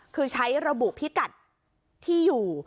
คือใช้ระบุพิกัดที่อยู่